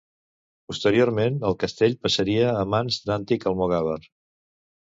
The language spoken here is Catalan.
Posteriorment el castell passaria a mans d'Antic Almogàver.